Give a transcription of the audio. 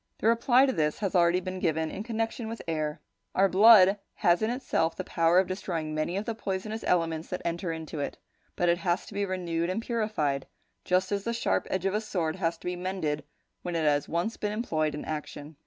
The reply to this has already been given in connection with air. Our blood has in itself the power of destroying many of the poisonous elements that enter into it, but it has to be renewed and purified, just as the sharp edge of a sword has to be mended when it has been once employed in action.